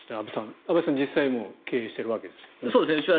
安部さん、実際に経営されているわけですが。